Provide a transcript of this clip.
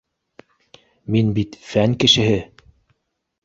— Мин бит фән кешеһе